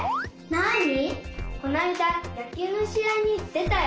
なに？